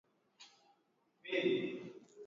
Uzalishaji wa maziwa hupungua kwa ngamia aliyeathirika